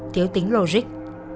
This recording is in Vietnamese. thiếu tính lô rích